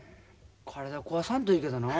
体壊さんといいけどな。